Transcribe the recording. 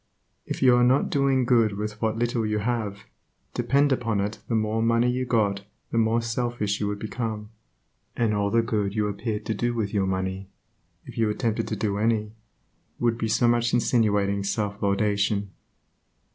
If you are not doing good with what little you have, depend upon it the more money you got the more selfish you would become, and all the good you appeared to do with your money, if you attempted to do any, would be so much insinuating self laudation.